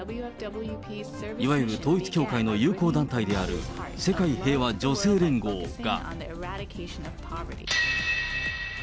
いわゆる統一教会の友好団体である世界平和女性連合が。